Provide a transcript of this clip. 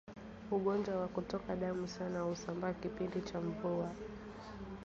Ugonjwa wa kutoka damu sana husambaa kipindi cha mvua